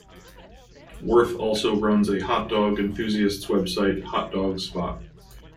Worth also runs a hot dog enthusiast's website "Hot Dog Spot".